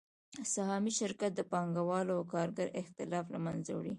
سهامي شرکت د پانګوال او کارګر اختلاف له منځه وړي